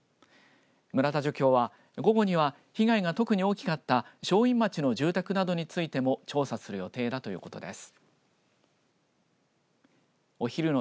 村田助教は午後には被害が特に大きかった正院町の住宅などについても調査する予定だということです。